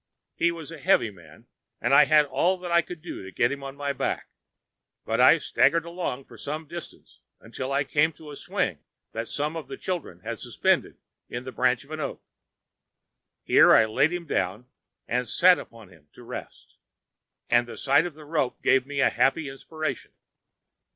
He was a heavy man and I had all that I could do to get him on my back, but I staggered along for some distance until I came to a swing that some of the children had suspended to the branch of an oak. Here I laid him down and sat upon him to rest, and the sight of the rope gave me a happy inspiration.